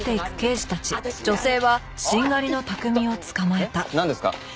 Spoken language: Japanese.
えっなんですか？